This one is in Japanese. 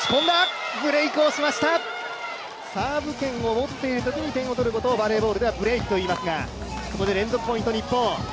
サーブ権を持っているときに点を取ることをバレーボールではブレイクといいますがここで連続ポイント、日本。